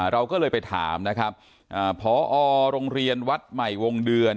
เราก็เลยไปถามนะครับพอโรงเรียนวัดใหม่วงเดือน